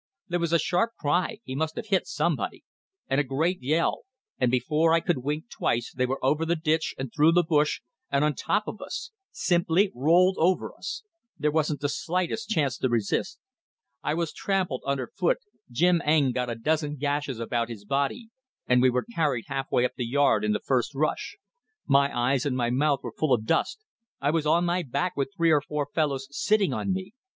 There was a sharp cry he must have hit somebody and a great yell, and before I could wink twice they were over the ditch and through the bush and on top of us! Simply rolled over us! There wasn't the slightest chance to resist. I was trampled under foot, Jim Eng got a dozen gashes about his body, and we were carried halfway up the yard in the first rush. My eyes and mouth were full of dust; I was on my back with three or four fellows sitting on me.